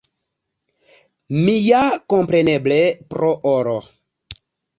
Mi ja, kompreneble, pro oro.